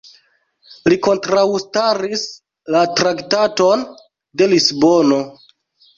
Li kontraŭstaris la Traktaton de Lisbono.